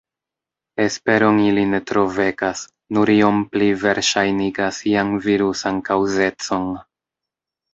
Esperon ili ne tro vekas, nur iom pli verŝajnigas ian virusan kaŭzecon.